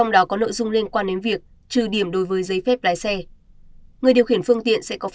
đã tăng đến một mươi bốn liên tiếp